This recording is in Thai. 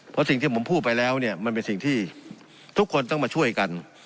เพราะสิ่งที่ผมพูดไปแล้วเนี่ยมันเป็นสิ่งที่ทุกคนต้องมาช่วยกัน